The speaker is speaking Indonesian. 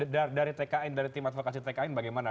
dari tkn dari tim advokasi tkn bagaimana